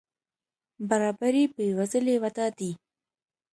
برابري بې وزلي وده دي.